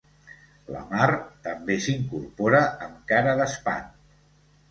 La Mar també s'incorpora amb cara d'espant.